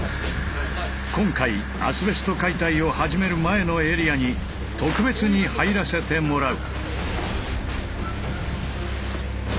今回アスベスト解体を始める前のエリアに特別に入らせてもらう。